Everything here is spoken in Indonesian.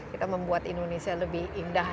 kita membuat indonesia lebih indah